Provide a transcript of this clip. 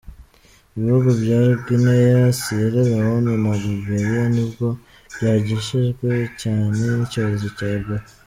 Ibihugu bya Guinea, Sierra Leonne na Liberia nibyo byashegeshwe cyane n’icyorezo cya Ebola.